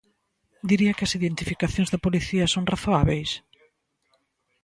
Diría que as identificacións da policía son razoábeis?